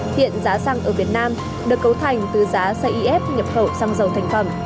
hiện giá xăng ở việt nam được cấu thành từ giá cif nhập khẩu xăng dầu thành phẩm